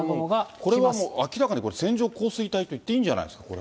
これはもう明らかに線状降水帯と言っていいんじゃないですか。